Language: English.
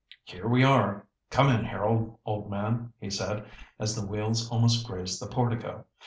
"Here we are! Come in Harold, old man," he said, as the wheels almost grazed the portico.